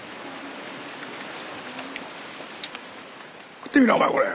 食ってみろお前これ。